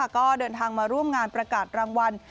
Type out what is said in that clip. ก็เดินทางมาร่วมงานประกาศรางวัล